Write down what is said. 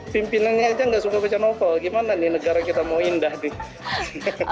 pimpinannya saja tidak suka baca novel gimana nih negara kita mau indah nih